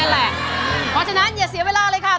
ด้านล่างเขาก็มีความรักให้กันนั่งหน้าตาชื่นบานมากเลยนะคะ